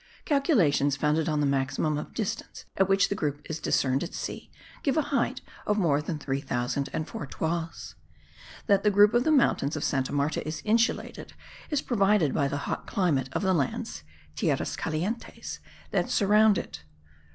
Calculations founded on the maximum of distance at which the group is discerned at sea, give a height of more than 3004 toises. That the group of the mountains of Santa Marta is insulated is proved by the hot climate of the lands (tierras calientes) that surround it.